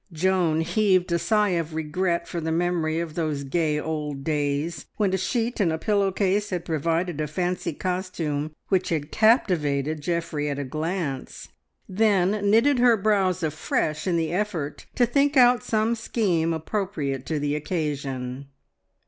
Joan heaved a sigh of regret for the memory of those gay old days when a sheet and a pillow case had provided a fancy costume which had captivated Geoffrey at a glance, then knitted her brows afresh in the effort to think out some scheme appropriate to the occasion.